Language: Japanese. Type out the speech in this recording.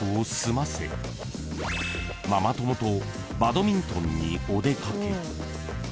［ママ友とバドミントンにお出掛け］